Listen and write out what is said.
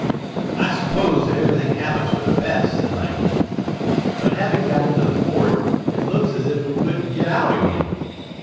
"I suppose that everything happens for the best," said Langdon, "but having got into the fort, it looks as if we couldn't get out again.